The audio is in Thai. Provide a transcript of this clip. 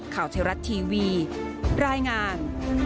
ข่าวเทราะต์ทีวีรายงาน